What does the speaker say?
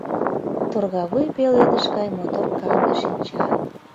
Торгавуй пеледыш гай мотор канде шинча!